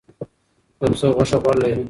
د پسه غوښه غوړ لري.